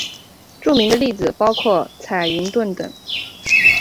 著名的例子包括彩云邨等。